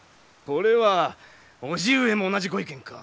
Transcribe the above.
これは叔父上も同じご意見か。